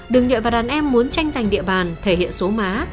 đừng nhợi vào đàn em muốn tranh giành địa bàn thể hiện số má